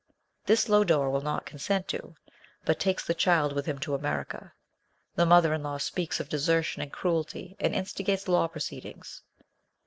This Lodore will not consent to, but takes the child with him to America. The mother in law speaks of desertion and cruelty, and instigates law pro ceedings.